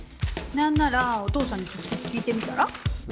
何ならお父さんに直接聞いてみたら？